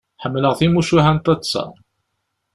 Ḥemmleɣ timucuha n taḍsa.